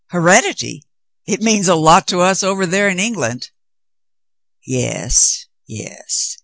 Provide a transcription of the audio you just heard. "Heredity? It means a lot to us over there in Eng land." "Yes, ves.